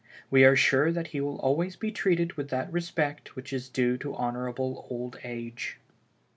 We are sure that he will always be treated with that respect which is due to honorable old age.